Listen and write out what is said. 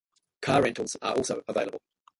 Car rentals are also available.